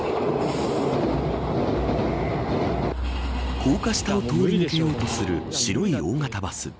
高架下を通り抜けようとする白い大型バス。